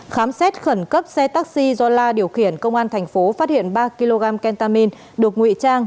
khám xét khẩn cấp xe taxi do la điều khiển công an thành phố phát hiện ba kg kentamin được nguy trang